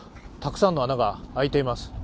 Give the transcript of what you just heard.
たくさんの穴が開いています。